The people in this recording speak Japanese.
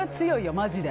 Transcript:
マジで。